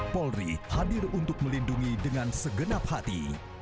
polri hadir untuk melindungi dengan segenap hati